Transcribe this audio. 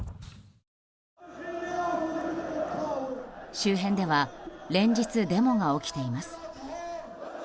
周辺では連日、デモが起きています。